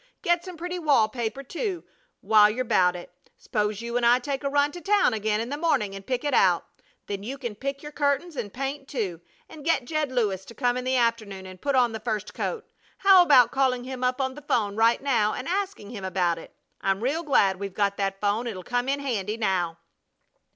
Get some pretty wall paper, too, while you're 'bout it. S'posen you and I take a run to town again in the morning and pick it out. Then you can pick your curtains and paint, too, and get Jed Lewis to come in the afternoon and put on the first coat. How about calling him up on the 'phone right now and asking him about it? I'm real glad we've got that 'phone. It'll come in handy now."